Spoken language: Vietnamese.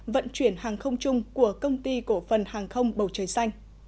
vận chuyển hàng không chung của công ty cổ phần hàng không bầu trời xanh